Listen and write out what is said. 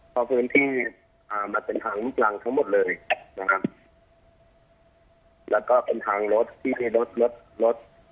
เพราะพื้นที่อ่ามันเป็นทางลูกรังทั้งหมดเลยนะครับแล้วก็เป็นทางรถที่มีรถรถรถ